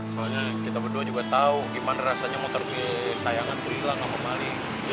soalnya kita berdua juga tau gimana rasanya motornya sayang gak tuh hilang sama mali